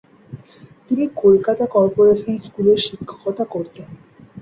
তিনি কোলকাতা কর্পোরেশন স্কুলে শিক্ষকতা করতেন।